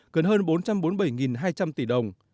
cần hơn bốn trăm bốn mươi bảy hai trăm linh tỷ đồng